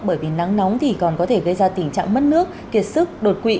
bởi vì nắng nóng thì còn có thể gây ra tình trạng mất nước kiệt sức đột quỵ